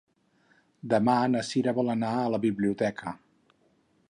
Demà na Sira vol anar a la biblioteca.